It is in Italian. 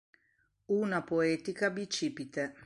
Una poetica bicipite.